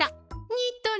ニトリ